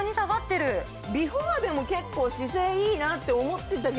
ビフォアでも結構姿勢いいなって思ってたけど。